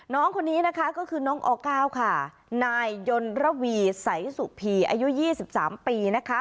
น้องคนนี้นะคะก็คือน้องออก้าค่ะนายยนระวีสัยสุพีอายุ๒๓ปีนะคะ